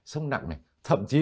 xong nặng này